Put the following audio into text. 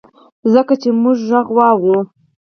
ځکه چي مونږ ږغ واورو